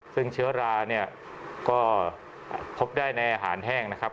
ซึ่งเชื้อราเนี่ยก็พบได้ในอาหารแห้งนะครับ